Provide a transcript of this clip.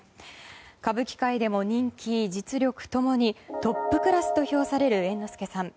歌舞伎界でも人気、実力ともにトップクラスと評される猿之助さん。